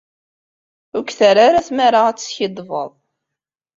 Ur k-terra ara tmara ad teskiddbeḍ.